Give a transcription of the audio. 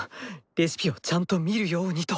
レシピをちゃんと見るようにと。